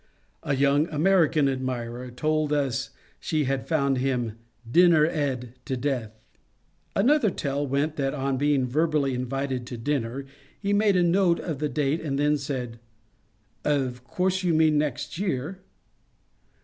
A young American admirer told us she had found him ^^ dinner eed to death." Another tale went that on being verbally invited to dinner he made a note of the date and then said, ^' Of course you mean next year